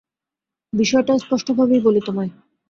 বিষয়টা স্পষ্টভাবেই বলি তোমায়।